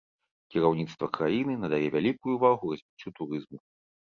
Кіраўніцтва краіны надае вялікую ўвагу развіццю турызму.